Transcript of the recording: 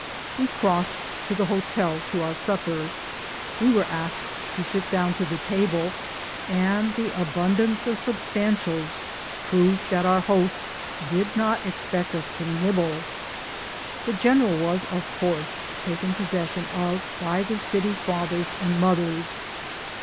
We crossed to the hotel to our supper. AVe were asked to sit down to the table, and the abundance 32 BOOTS AND SADDLES. of substantials proved that our hosts did not expect us to nibble. The general was, of course, taken pos session of by the city fathers and mothers.